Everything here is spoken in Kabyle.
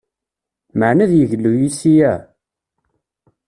Meɛna ad yeglu yes-i ah!